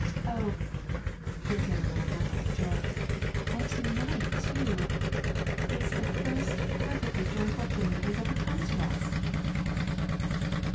Oh' (here came a little gurgle of joy), 'and to night, too! It's the first perfectly joyful thing that has ever come to us.'